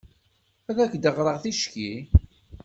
Ad ak-d-ɣreɣ ticki?